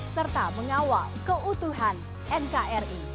serta mengawal keutuhan nkri